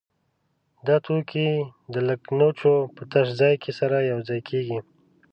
دا توکي د لګنچو په تش ځای کې سره یو ځای کېږي.